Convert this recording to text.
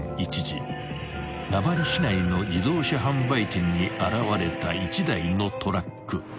［名張市内の自動車販売店に現れた一台のトラック］